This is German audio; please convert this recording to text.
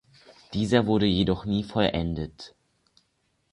Dieser wurde jedoch nie vollendet.